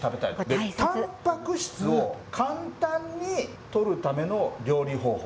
で、たんぱく質を簡単にとるための料理方法。